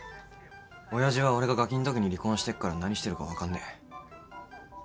親父は俺がガキんときに離婚してっから何してるか分かんねえ。